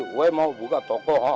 gue mau buka toko